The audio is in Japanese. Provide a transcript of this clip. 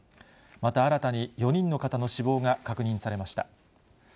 また新たに４人の方の死亡が確認されました。